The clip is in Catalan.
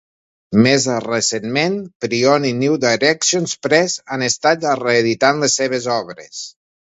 Més recentment, Prion i New Directions Press han estat reeditant les seves obres.